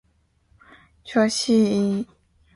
这是一首简单的小情歌，唱出人们心头的曲折